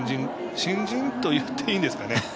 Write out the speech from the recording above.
新人と言っていいんですかね。